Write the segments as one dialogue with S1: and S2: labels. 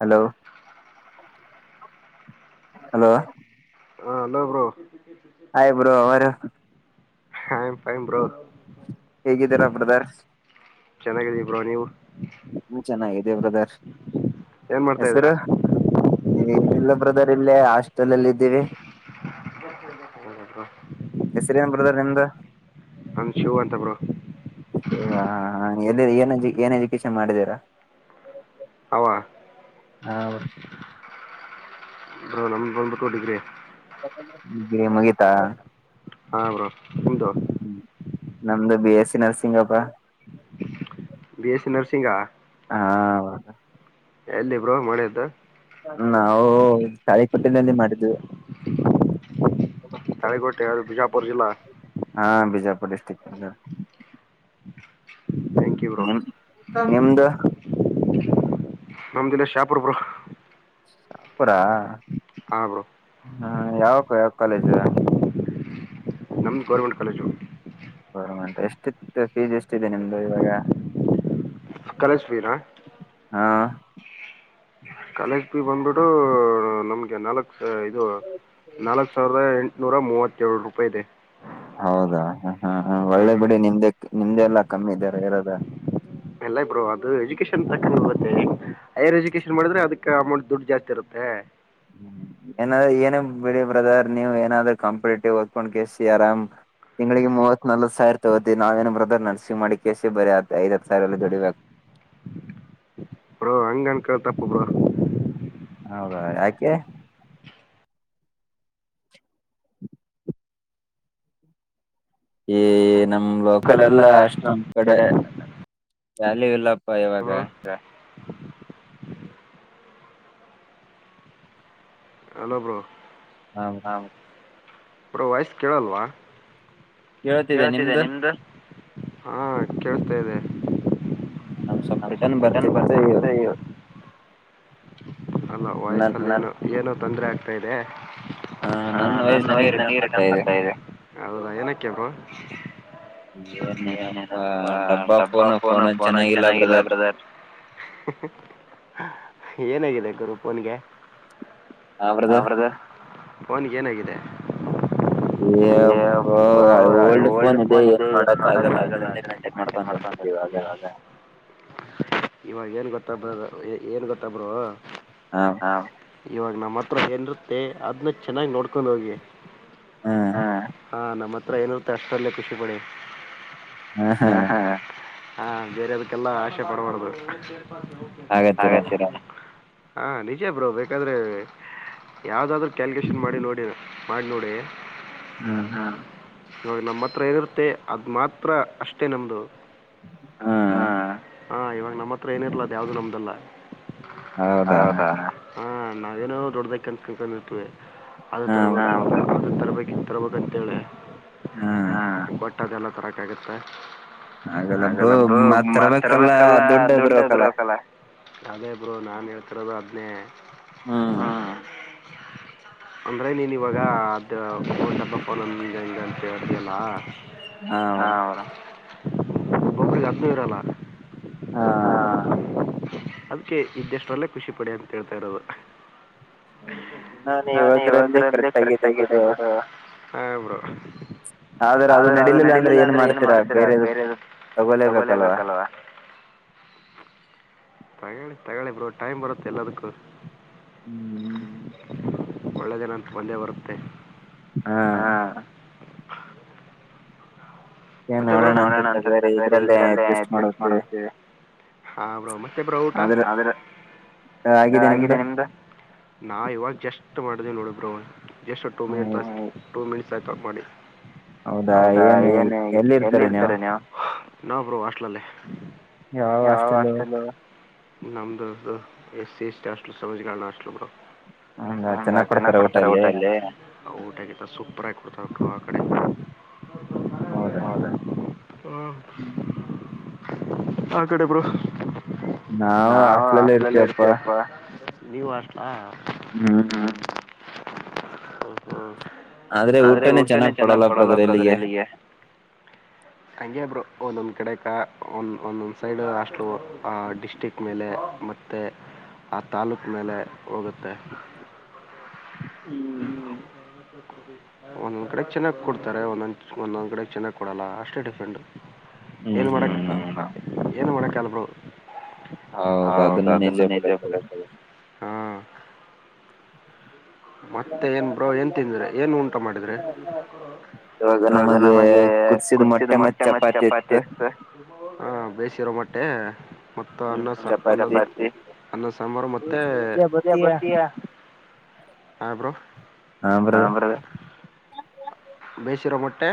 S1: Hello hello
S2: hello bro
S1: hi bro how are you
S2: I am fine bro.
S1: ಹೇಗಿದ್ದೀರಾ brothers?
S2: ಚೆನ್ನಾಗಿದ್ದೀನ್ bro ನೀವು?
S1: ಹ ಚೆನ್ನಾಗಿದಿವಿ brother ಹೆಸರು? ಏನಿಲ್ಲ ಬ್ರದರ್ ಇಲ್ಲೇ ಹಾಸ್ಟೆಲಲ್ಲಿ ಇದ್ದೀವಿ.
S2: ಹಾ
S1: ಹೆಸರೇನ್ ಬ್ರದರ್ ನಿಮ್ದು?
S2: ನಮ್ದ್ ಶಿವು ಅಂತ ಬ್ರೊ.
S1: ಹಓ ಹ ಎಲ್ಲಿ ಏನ್ಜ ಏನ್ ಎಜುಕೇಶನ್ ಮಾಡಿದೀರಾ?
S2: ಅವಾ.
S1: ಆವ
S2: ಅ ನಮ್ದ್ ಒಂದು ಕೊ ಡಿಗ್ರಿ
S1: ಬಿ ಎ ಮುಗಿತಾ?
S2: ಹಾ ಬ್ರೋ ನಿಮ್ದು.
S1: ನಮ್ದು B S C ನರ್ಸಿಂಗಪ್ಪಾ. [inaudible]
S2: B S C C ನರ್ಸಿಂಗಾ.
S1: ಹಾ
S2: ಎಲ್ಲಿ ಬ್ರೋ ಮಾಡಿದ್ದು?
S1: ನಾವು ತಾಳಿಕೋಟಿನಲ್ಲಿ ಮಾಡಿದ್ವಿ.
S2: ತಾಳಿಕೋಟಿ ಬಿಜಾಪುರ ಜಿಲ್ಲಾ.
S1: ಹಾ ಬಿಜಾಪುರ್ ಡಿಸ್ಟ್ರಿಕ್ ಬರ್ತದ್. ನಿಮ್ದು?
S2: ನಮ್ದಿನ್ನ ಶಾಪುರ್ ಬ್ರೊ.
S1: ಪಡಾ?
S2: ಆಗ್ಲ ಬ್ರೋ.
S1: ಹ್ಮ್ ಯಾವ್ ಯಾವ್ ಕಾಲೇಜು?
S2: ನಮ್ದ್ ಗೌರ್ಮೆಂಟ್ ಕಾಲೇಜು.
S1: ಗೌರ್ಮೆಂಟ ಎಷ್ಟಿತ್ತ್ ಫೀಸ್ ಎಷ್ಟದೆ ನಿಮ್ದು ಇವಾಗ?
S2: ಕಾಲೇಜ್ ಫೀನಾ?
S1: ಆ
S2: ಕಾಲೇಜ್ ಫೀ ಬಂದ್ಬುಟ್ಟು ನಮ್ಗೆ ನಾಲಕ್ ಸ ಇದು ನಾಲಕ್ ಸಾವಿರ್ದ ಎಂಟುನೂರ ಮೂವತ್ತೇಳು ರೂಪಾಯಿ ಇದೆ.
S1: ಹೌದಾ ಹ ಹ ಒಳ್ಳೆ ಬಿಡಿ ನಿಮ್ದೆ ನಿಮ್ದೆ ಎಲ್ಲಾ ಕಮ್ಮಿ ಇದಾರೆ ಇರೋದ.
S2: ಇಲ್ಲ ಬ್ರೋ ಅದು ಎಜುಕೇಶನ್ ತಕ್ಕಂಗ್ ಹೊಗುತ್ತೆ, ಹೈಯರ್ ಎಜುಕೇಶನ್ ಮಾಡಿದ್ರೆ ಅದಕ್ಕ್ ಅಮೌಂಟ್ ದುಡ್ಡು ಜಾಸ್ತಿ ಇರುತ್ತೆ.
S1: ಏನಾದ್ರ ಏನ ಬಿಡಿ ಬ್ರದರ್ ನೀವ್ ಏನಾದ್ರೂ ಕಾಂಪಿಟೇಟಿವ್ ಓದ್ಕೊಂಡ್ ಕೆ ಸಿ ಆರಾಮ್ ತಿಂಗಳಿಗೆ ಮೂವತ್ ನಲ್ವತ್ ಸಾವಿರ್ ತೊಗೋತೀವ್ ನಾವ ಏನ ಬ್ರದರ್ ನರ್ಸಿಂಗ್ ಮಾಡಿ ಕೇಸಿ ಬೇರೆ ಐವತ್ತು ಸಾವಿರದಲ್ಲಿ ದುಡಿಬೇಕು.
S2: ಬ್ರೋ ಹಂಗ ಅನ್ಕಳದ್ ತಪ್ಪು ಬ್ರೊ.
S1: ಹೌದಾ ಯಾಕೆ? ಏ ನಮ್ ಲೋಕಲಲ್ಲ ಅಷ್ಟ ನಮ್ ಕಡೆ ವ್ಯಾಲ್ಯೂ ಇಲ್ಲ.
S2: [unintelligible] Hello bro.
S1: ಹ
S2: ಬ್ರೋ ವಾಯ್ಸ್ ಕೇಳಲ್ವಾ ಕೇಳ್ತಿದ್ದೆ ನಿಮ್ದು. ಹಾ ಕೇಳಸ್ತಾ ಇದೆ ನಮ್ ಸಮ್ ರಿಟರ್ನಾ [unintelligible] ಅಲ್ಲ ವಾಯ್ಸಲ್ಲಿ ನಾನು ಏನೋ ತೊಂದರೆ ಆಗ್ತಾ ಇದೆ. ಹಾ ನನ್ನ ವಾಯ್ಸ್ ನನಗೆ ರಿಟನ್ ಬರ್ತಾ ಇದೆ ಹೌದಾ ಏನಕ್ಕೆ ಬ್ರೋ. ಏನ ಎನ್ನಪ್ಪ ಡಬ್ಬಾ ಫೋನ್ ಫೋನ್ ಚೆನ್ನಾಗಿಲ್ಲ ಬ್ರದರ್. ಏನಾಗಿದೆ ಗುರು ಫೋನ್ಗೆ. ಹಾ ಬ್ರದರ್ ಫೋನಿಗೆ ಏನಾಗಿದೆ. [unintelligible] ಓಲ್ಡ್ ಫೋನ್ ಇದೆ ಏನ್ ಮಾಡಕ್ ಆಗಲ್ಲ ಅದ್ರಲ್ಲೆ ಮೇಂಟೈನ್ ಮಾಡ್ತನೀ. ಇವಾಗ ಇವಾಗ ಏನ್ ಗೊತ್ತ ಬ್ರದರ್ ಏನ್ ಗೊತ್ತಾ ಬ್ರೋ.
S1: ಹಾ
S2: ಹ ಇವಾಗ ನಮ್ಮ್ ಹತ್ರ ಏನಿರುತ್ತೆ ಅದನ್ನ ಚೆನ್ನಾಗಿ ನೋಡ್ಕೊಂಡ್ ಹೋಗಿ. ಹ ಹಾ ನಮ್ಮ ಹತ್ರ ಏನಿರುತ್ತೆ ಅಷ್ಟಲ್ಲೇ ಖುಷಿ ಪಡಿ. ಹಾ ಹಾ ಹಾ ಬೇರೆ ಅದಕ್ಕೆಲ್ಲ ಆಸೆ ಪಡಬಾರ್ದು. ಹಾಗೆ ಅಂತೀರಾ ನಿಜ ಬ್ರೋ ಬೇಕಾದ್ರೆ ಯಾವ್ದಾದ್ ಆದ್ರು. ಕ್ಯಾಲ್ಕುಲೇಷನ್ ಮಾಡಿ ನೋಡಿ ಮಾಡಿ ನೋಡಿ. ಹ್ಮ ನ ನಮ್ಮ ಹತ್ರ ಏನಿರ್ತ್ತೆ ಅದ್ ಮಾತ್ರ ಅಷ್ಟೇ ನಮ್ದು. ಹ ಹಾ ಇವಾಗ ನಮ್ಮ ಹತ್ರ ಏನಿರ್ಲದ ಯಾವ್ದು ನಮ್ದಲ್ಲ. ಹೌದಾ ಹಾ ನಾವೇನೋ ದೊಡ್ಡದಾಗಿ ಕನಸುಕಟ್ಟಿಕೊಂಡಿರ್ತೀವಿ. ಅದ ತ ಅ ತರ್ಬೇಕು ಇದು ತರ್ಬೇಕ ಅಂತೇಳಿ. ಹಾ ಬಟ್ ಅದೆಲ್ಲ ತರಕೆ ಆಗತ್ತ. ಹಾಗಲ್ಲ ಬ್ರೋ ಮಾತ್ರರ್ಬೇಕಲ್ಲ ದುಡ್ಡು ಇರಬೇಕಲ್ಲ ಅದೇ ಬ್ರೋ ನಾನ್ ಹೇಳ್ತಿರದು ಹದ್ನೇ.
S1: ಹ್ಮ್.
S2: ಹಾ ಅಂದ್ರೆ ನೀನ್ ಇವಾಗ ಅದು. [unintelligible] ಹಾ. [unintelligible] ಹಾ. ಅದಿಕ್ಕೆ ಇದ್ದಷ್ಟ್ರಲ್ಲೇ ಖುಷಿ ಪಡಿ ಅಂತ ಹೇಳ್ತಾ ಇರೋದು. ನೀವು ಹೇಳ್ತಿರೋದೇ ಕರೆಕ್ಟ್ ಆಗಿದೆೇ. ಹಾ ಬ್ರೋ. ಆದ್ರೆ ಅದು ನಡಿಲಿಲ್ಲ ಅಂದ್ರೆ ಏನ್ ಮಾಡ್ತೀರಾ ಬೇರೆದು ತಗೊಲೇಬೇಕಲ್ವಾ. ತಗೊಳ್ಳಿ ತಗೊಳ್ಳಿ ಬ್ರೋ ಟೈಮ್ ಬರುತ್ತೆ ಎಲ್ಲದಕ್ಕೂ.
S1: [unintelligible]
S2: ಒಳ್ಳೆದಿನಾ ಬಂದೆ ಬರುತ್ತೆ.
S1: ಹಾ.
S2: ಮತ್ತ ಬ್ರೋ ನೋಡೋಣ ಅಂತರಿ ಇದ್ರಲ್ಲೇ ಅಡ್ಜಸ್ಟ್ ಮಾಡುತೇವೆ ಹಾ ಬ್ರೋ ಮತ್ತೆ ಬ್ರೋ ಊಟ. ಆಗಿದೆ ನಿಮ್ದ ನಾವ ಇವಾಗ ಜಷ್ಟ ಮಾಡಿದ್ವಿ ನೋಡಿ ಬ್ರೋ. ಜಸ್ಟ್ ಟು ಮಿನಿಟ್ ಆಯ್ತು ಮಾಡಿ. ಹೌದಾ ಏನು ಎಲ್ಲಿ ಇರ್ತಾರ ನೀ ನಾವು ಬ್ರೋ ಹಾಸ್ಟೆಲ್ ಅಲ್ಲಿ. ಯಾವ ಹಾಸ್ಟೆಲ್. ನಮ್ದ S C S T hostel ಸಮಾಜ ಕಲ್ಯಾಣ ಹಾಸ್ಟೆಲು ಬ್ರೋ. ಹಂಗ ಚೆನ್ನಾಗಿ ಕೊಡ್ತಾರ ಊಟ ಅಲ್ಲಿ. [unintelligible]
S1: ಹೌದಾ
S2: ಆಕಡೆ ಬ್ರೋ. ನಾವು ಹಾಸ್ಟೆಲ್ ಅಲ್ಲೇ ಇರ್ತೀವಾಪ್ಪ ನೀವು ಹಾಸ್ಟೆಲ್
S1: ಹ್ಮ್ ಆದ್ರೆ ಊಟನೇ ಚೆನ್ನಾಗ್ ಕೊಡಲ್ಲ ಬ್ರದರ್ ಇಲ್ಲಿಗೆ
S2: ಹಂಗೆ ಬ್ರೋ ಒಂದೊಂದ್ ಕಡೆ ಒ ಒಂದೊಂದ್ ಸೈಡ್ ಹಾಸ್ಟೆಲಗಳು ಡಿಸ್ಟಿಕ್ ಮೇಲೆ ಮತ್ತೆ ಆ ತಾಲೂಕು ಮೇಲೆ ಹೋಗುತ್ತೆ ಹ್ಮ್ ಒಂದೊಂದ್ ಕಡೆ ಚೆನ್ನಾಗ್ ಕೊಡ್ತಾರೆ ಒಂದೊಂದ ಒಂದೊಂದ್ ಕಡೆ ಚೆನ್ನಾಗ್ ಕೊಡಲ್ಲ ಅಷ್ಟೇ ಡಿಫರೆಂಟ್ ಏನ್ ಮಾಡಕ್ ಏನು ಮಾಡಕ್ಕಗಲ್ಲ ಬ್ರೋ ಹೌದು ಅದನ್ನ ನಿಜ ಬ್ರೋ ಮತ್ತೆ ಏನ್ ಬ್ರೋ ಏನ್ ತಿಂದ್ರಿ ಏನು ಉಟ ಮಾಡಿದ್ರಿ ಇವಾಗ ನಮಗೆ ಕುದಸಿದ ಮೊಟ್ಟೆ ಮತ್ತೆ ಚಪಾತಿ ಇತ್ತು ಹಾ ಬೇಸಿರ ಮಟ್ಟೆ ಮತ್ತ ಅನ್ನ ಅನ್ನಸಂಬಾರು ಮತ್ತೆ
S1: ಹ [unintelligible]
S2: ಹ ಬ್ರೋ ಹಾ ಬ್ರದರ್ ಬೇಯಿಸಿಿರೋ ಮೊಟ್ಟೆ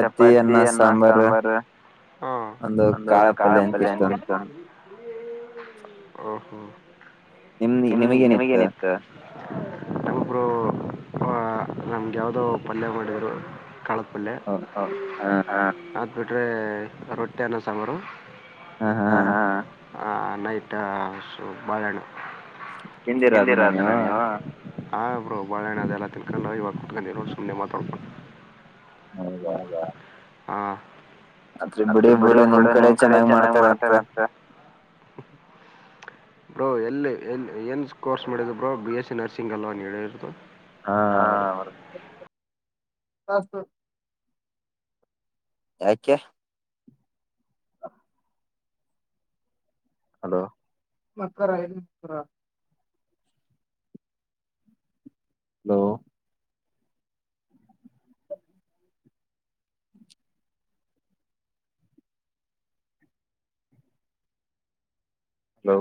S2: ಚಪಾತಿ ಅನ್ನ ಸಾಂಬಾರ ಹ್ಮ್ ಒಂದು ಕಾಳಪಲ್ಯ ಎನ ಹ ಹ್ಮ್ ನಿಮ ನಿಮಗ ಏನಿತ್ತು ಹಾ ನಮ್ಗೆ ಯಾವ್ದೋ ಪಲ್ಯ ಮಾಡಿದ್ರು ಪಲ್ಯ ಅದು ಬಿಿಟ್ರೆ ರೊಟ್ಟಿ ಅನ್ನ ಸಾಂಬಾರು
S1: ಹಾ ಹಾ
S2: ಹ ಹ ಹ ನೈಟ್ ಸ್ವಲ್ಪ ಬಾಳೆ ಹಣ್ಣು ತಿಂದಿರಾ ಅದನ್ನು ನೀವು ಹಾ ಬ್ರೋ ಬಾಳಹಣ್ಣ ಅದೆ ಎಲ್ಲ ತಿನ್ಕೊಂಡ ಇವಾಗ ಕುಟ್ಕೊಂಡರೋ ಸುಮ್ಮನೆ ಮಾತಾಡ್ಕೊಂಡು ಹೌದಾ ಹಾ ಅದ್ರೆ ಬಿಡಿ ಬಿಡ ನಿಮ್ ಕಡೆ ಚೆನ್ನಾಗ್ ಮಾಡ್ತಾರ ಅಂತ ಬೋ ಎಲ್ಲಿ ಎ ಏನ್ ಕೋರ್ಸ್ ಮಾಡಿದಿರಾ bro B. A. C nursing ಅಲ್ವಾ ಹೇಳಿರದು
S1: ಹಾ
S2: ಹಾ ಹಾ ಅದ
S1: ಹ ಹ [unintelligible] ಯಾಕೆ ಹಲೋ ಮ [unintelligible] ಹಲೋ ಹಲೋ